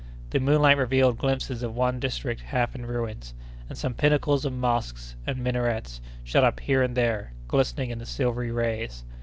The moonlight revealed glimpses of one district half in ruins; and some pinnacles of mosques and minarets shot up here and there, glistening in the silvery rays.